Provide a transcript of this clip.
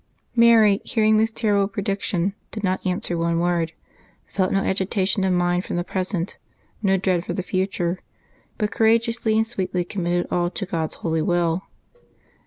Mary, hearing this terrible pre diction, did not answer one word, felt no agitation of mind from the present, no dread for the future ; but courageously and sweetly committed all to God's holy will.